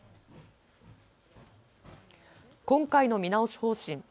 今回の見直し方針。